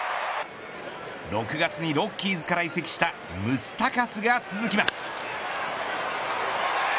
６月にロッキーズから移籍したムスタカスが続きます。